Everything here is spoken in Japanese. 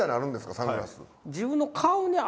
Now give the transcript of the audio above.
サングラス。